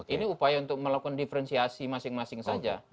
ini upaya untuk melakukan diferensiasi masing masing saja